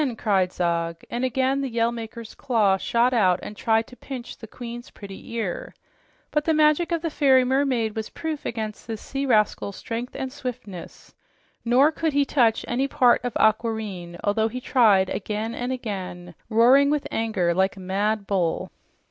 cried Zog, and again the Yell Maker's claw shot out and tried to pinch the queen's pretty ear. But the magic of the fairy mermaid was proof against this sea rascal's strength and swiftness, nor could he touch any part of Aquareine, although he tried again and again, roaring with anger like a mad bull.